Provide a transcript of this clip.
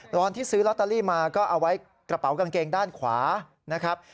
ตอนที่ซื้อลอตเตอรี่มาก็เอาไว้กระเป๋ากางเกงด้านขวานะครับ